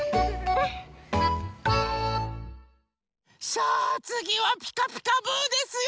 さあつぎは「ピカピカブ！」ですよ。